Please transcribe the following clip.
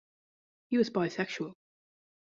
He was bisexual.